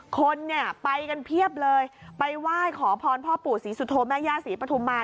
คนเนี่ยไปกันเพียบเลยไปไหว้ขอพรพ่อปู่ศรีสุโธแม่ย่าศรีปฐุมมา